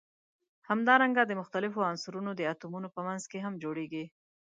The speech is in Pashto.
همدارنګه د مختلفو عنصرونو د اتومونو په منځ کې هم جوړیږي.